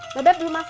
bebep belum masak